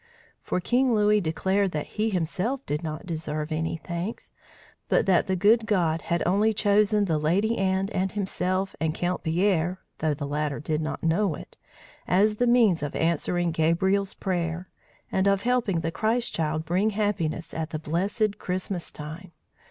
For King Louis declared that he himself did not deserve any thanks, but that the good God had only chosen the Lady Anne and himself and Count Pierre (though the latter did not know it) as the means of answering Gabriel's prayer, and of helping the Christ child bring happiness at the blessed Christmas time.